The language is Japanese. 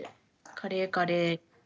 カレー、カレー。